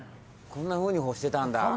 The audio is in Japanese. こんなふうに干してたんだ。